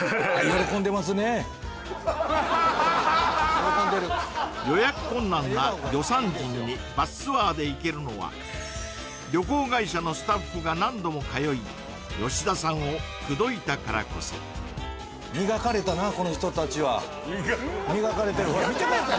喜んでる予約困難な魚山人にバスツアーで行けるのは旅行会社のスタッフが何度も通い吉田さんを口説いたからこそ磨かれてる見てください